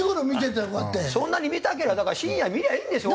そんなに見たけりゃだから深夜に見りゃいいんですよ